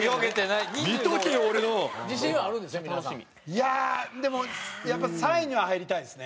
いやあでもやっぱ３位には入りたいですね。